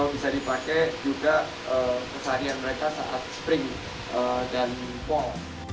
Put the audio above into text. bisa dipakai juga saat spring dan fall